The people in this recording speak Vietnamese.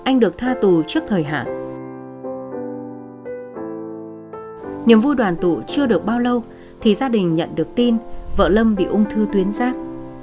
niềm vui đoàn tụ chưa được bao lâu thì gia đình nhận được tin vợ lâm bị ung thư tuyến giáp